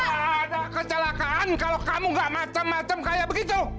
ada kecelakaan kalau kamu nggak macam macam kayak begitu